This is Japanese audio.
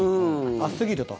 暑すぎると。